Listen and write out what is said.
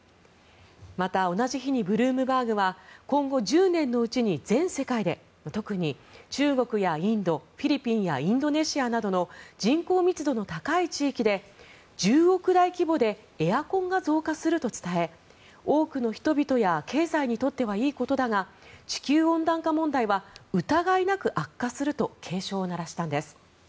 また、同じ日にブルームバーグは今後１０年のうちに全世界で特に中国やインドフィリピンやインドネシアなどの人口密度の高い地域で１０億台規模でエアコンが増加すると伝え多くの人々や経済にとってはいいことだが地球温暖化問題は疑いなく悪化すると警鐘を鳴らしたんです。